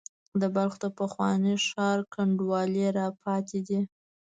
د بلخ د پخواني ښار کنډوالې را پاتې دي.